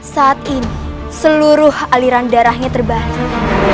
saat ini seluruh aliran darahnya terbalik